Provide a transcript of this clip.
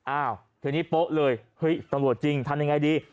อ้าวทีนี้โป๊ะเลยเฮ้ยตำรวจจริงทำยังไงดี